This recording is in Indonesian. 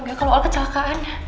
enggak kalau kecelakaan